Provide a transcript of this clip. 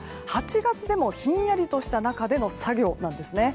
８月でもひんやりとした中での作業なんですね。